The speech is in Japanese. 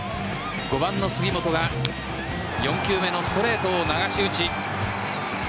５番の杉本が４球目のストレートを流し打ち。